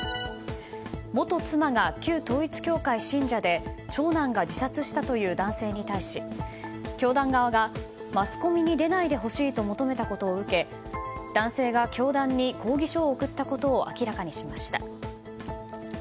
元妻が旧統一教会信者で長男が自殺したという男性に対し教団側がマスコミに出ないでほしいと求めたことを受け男性が教団に抗議書を送ったことを明らかにしました。